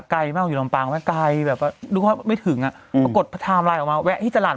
ไกลมากอยู่ลำปางไว้ไกลแบบว่าดูว่าไม่ถึงอ่ะอืมกดออกมาแวะที่จรรย์